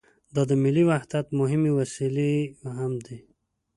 دا د ملي وحدت مهمې وسیلې هم دي.